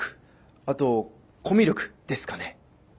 あとコミュ力ですかね。